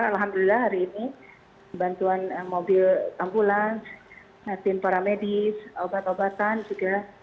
alhamdulillah hari ini bantuan mobil ambulans tim para medis obat obatan juga